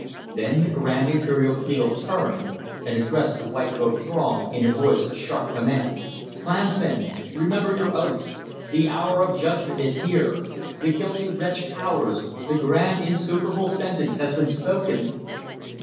Then the Grand Imperial Kleagle turned and addressed the white robed throng in a voice of sharp command: "Klansmen! Remember your oath! The hour of Judgment is here! The guilty wretch cowers! The grand insuperable sentence has been spoken!